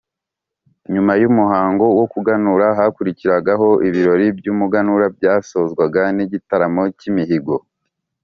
Nyuma y’umuhango wo kuganura, hakurikiragaho ibirori by’umuganura byasozwaga n’igitaramo cy’imihigo.